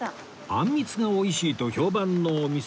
あんみつが美味しいと評判のお店